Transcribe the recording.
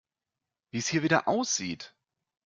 Wie es hier wieder aussieht!